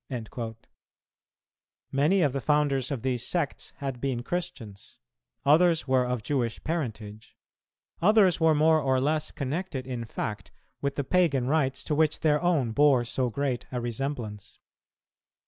"[221:1] Many of the founders of these sects had been Christians; others were of Jewish parentage; others were more or less connected in fact with the Pagan rites to which their own bore so great a resemblance.